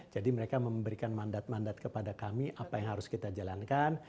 jadi mereka memberikan mandat mandat kepada kami apa yang harus kita jalankan